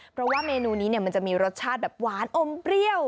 เพราะว่าเมนูนี้มันจะมีรสชาติแบบหวานอมเปรี้ยว